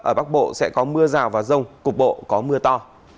ở bắc bộ sẽ có mưa rào và rông cục bộ có mưa to